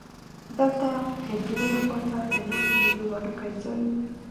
دلته قبلې خوا ته د ناستې یو وړوکی ځای و.